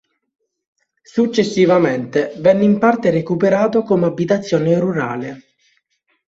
Successivamente venne in parte recuperato come abitazione rurale.